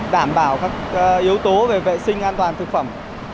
đảm bảo các yếu tố về vệ sinh an toàn thực phẩm